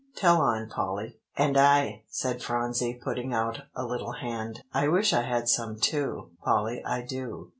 Tell on, Polly." "And I," said Phronsie putting out a little hand; "I wish I had some too, Polly, I do."